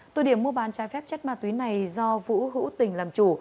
tụ điểm mua bán trái phép chất ma túy này do vũ hữu tình làm chủ